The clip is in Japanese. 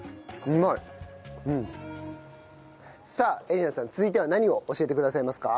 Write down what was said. さあ瑛里奈さん続いては何を教えてくださいますか？